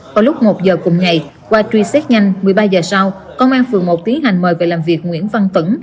vào lúc một giờ cùng ngày qua truy xét nhanh một mươi ba giờ sau công an phường một tiến hành mời về làm việc nguyễn văn tẩn